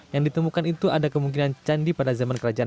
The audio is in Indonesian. yang ditemukan itu ada kemungkinan candi yang ditemukan di tengah sawah